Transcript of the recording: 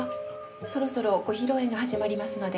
そろそろご披露宴が始まりますので。